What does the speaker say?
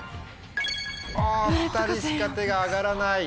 あ２人しか手が挙がらない。